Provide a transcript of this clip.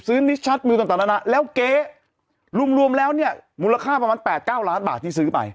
นิชชัดมือต่างนานาแล้วเก๊รวมแล้วเนี่ยมูลค่าประมาณ๘๙ล้านบาทที่ซื้อไป